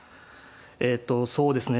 えとそうですね